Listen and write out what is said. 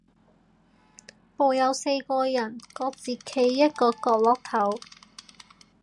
部有四個人，各自企一個角落頭